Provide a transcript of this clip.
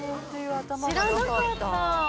知らなかった！